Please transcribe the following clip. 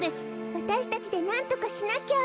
わたしたちでなんとかしなきゃ。